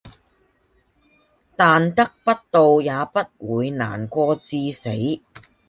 但得不到也不會難過至死